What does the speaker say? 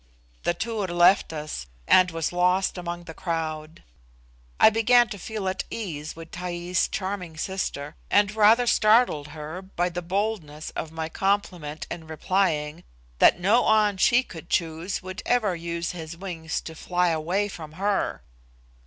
The Tur had left us, and was lost amongst the crowd. I began to feel at ease with Taee's charming sister, and rather startled her by the boldness of my compliment in replying, "that no An she could choose would ever use his wings to fly away from her."